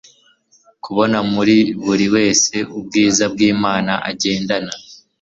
kubona muri buri wese ubwiza bw'imana agendana